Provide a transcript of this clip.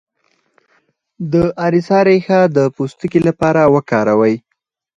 د اریسا ریښه د پوستکي لپاره وکاروئ